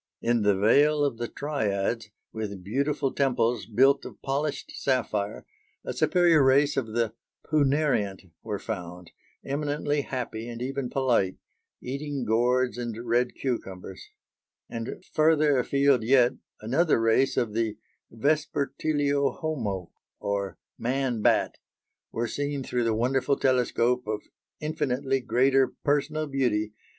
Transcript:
In the "Vale of the Triads," with beautiful temples built of polished sapphire, a superior race of the punariant were found, "eminently happy and even polite," eating gourds and red cucumbers; and further afield yet another race of the vespertilio homo, or man bat, were seen through the wonderful telescope of "infinitely greater personal beauty